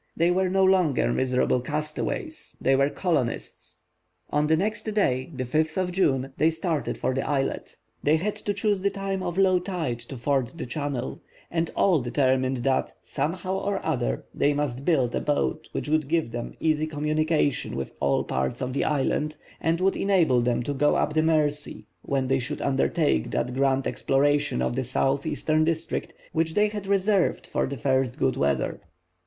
They were no longer miserable castaways, they were colonists. On the next day, June 5, they started for the islet. They had to choose the time of low tide to ford the channel; and all determined that, somehow or other, they must build a boat which would give them easy communication with all parts of the island, and would enable them to go up the Mercy, when they should undertake that grand exploration of the southwestern district which they had reserved for the first good weather.